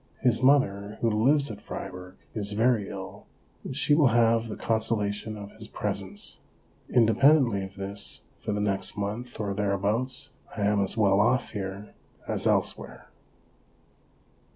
His mother, who lives at Fribourg, is very ill, and she will have the consola tion of his presence. Independently of this, for the next month or thereabouts, I am as well off here as elsewhere.